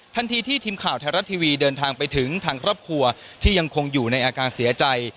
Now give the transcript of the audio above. ทันทีที่ทีมข่าวไทยรัฐทีวีเดินทางไปถึงทางครอบครัวที่ยังคงอยู่ในอาการเสียใจ